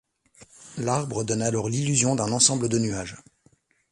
L'arbre donne alors l'illusion d'un ensemble de nuages.